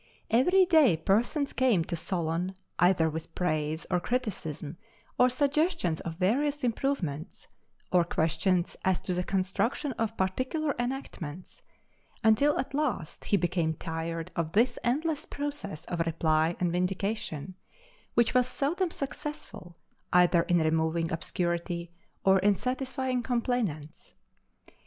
Every day persons came to Solon either with praise, or criticism, or suggestions of various improvements, or questions as to the construction of particular enactments; until at last he became tired of this endless process of reply and vindication, which was seldom successful either in removing obscurity or in satisfying complainants.